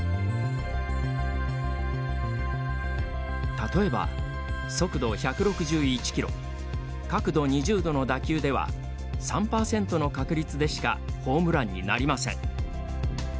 例えば速度１６１キロ角度２０度の打球では３％の確率でしかホームランになりません。